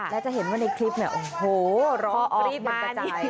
แล้วจะเห็นว่าในคลิปเนี่ยโอ้โฮรอออกเป็นประจาย